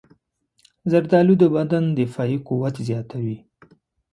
زردالو د بدن دفاعي قوت زیاتوي.